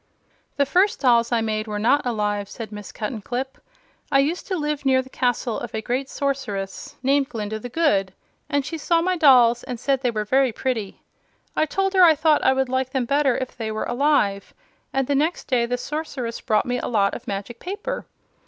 "The first dolls I made were not alive," said Miss Cuttenclip. "I used to live near the castle of a great Sorceress named Glinda the Good, and she saw my dolls and said they were very pretty. I told her I thought I would like them better if they were alive, and the next day the Sorceress brought me a lot of magic paper.